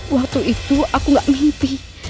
waktu itu aku gak mimpi